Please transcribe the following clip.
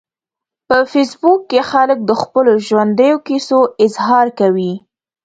په فېسبوک کې خلک د خپلو ژوندیو کیسو اظهار کوي